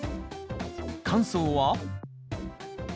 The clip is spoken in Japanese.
感想は？